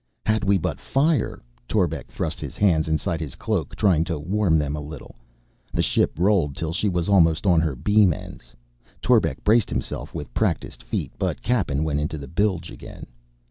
"Had we but fire " Torbek thrust his hands inside his cloak, trying to warm them a little. The ship rolled till she was almost on her beam ends; Torbek braced himself with practiced feet, but Cappen went into the bilge again.